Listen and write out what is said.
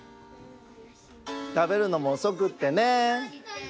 たべるのもおそくってね。